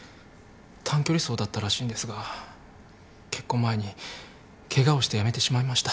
短距離走だったらしいんですが結婚前にケガをしてやめてしまいました。